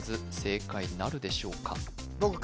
正解なるでしょうか？